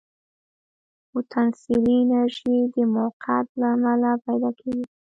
پوتانسیلي انرژي د موقف له امله پیدا کېږي.